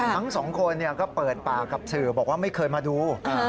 ทั้งสองคนก็เปิดปากกับสื่อบอกว่าไม่เคยมาดู